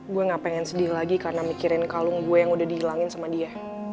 gue gak pengen sedih lagi karena mikirin kalung gue yang udah dihilangin sama dia